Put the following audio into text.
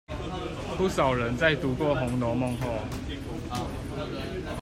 不少人在讀過紅樓夢後